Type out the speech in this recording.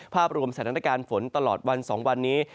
ภาพรวมแสนนักการฝนตลอดวัน๒วันนี้